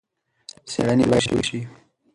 څېړنې باید وشي.